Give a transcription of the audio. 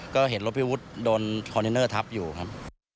ก็เห็นรถพี่วุฒิโดนคอนเทนเนอร์ทับอยู่ครับ